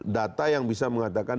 data yang bisa mengatakan